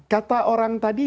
kata orang tadi